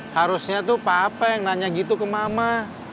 harusnya tuh papa yang nanya gitu ke mama